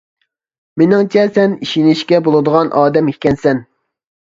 مېنىڭچە سەن ئىشىنىشكە بولىدىغان ئادەم ئىكەنسەن.